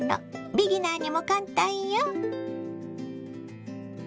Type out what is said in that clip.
ビギナーにも簡単よ。